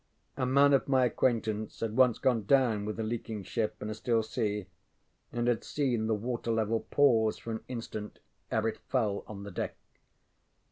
A man of my acquaintance had once gone down with a leaking ship in a still sea, and had seen the water level pause for an instant ere it fell on the deck.